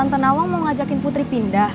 emangnya tante nawang mau ngajakin putri pindah